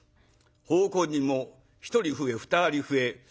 奉公人も１人増え２人増え。